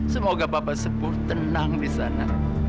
semoga bapak sepuh tenang disana